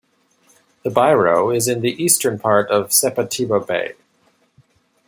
The "bairro" is in the eastern part of Sepetiba Bay.